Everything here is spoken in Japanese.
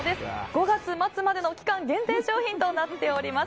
５月末までの期間限定商品となっております。